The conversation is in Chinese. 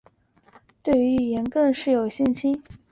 它会让那些没有自信心的学生对于语言更有信心。